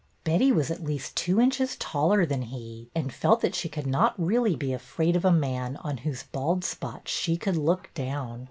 Betty was at least two inches taller than he, and felt that she could not really be afraid of a man on whose bald spot she could look down.